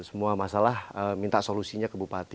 semua masalah minta solusinya ke bupati